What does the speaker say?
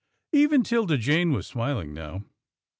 Even 'Tilda Jane was smiling now.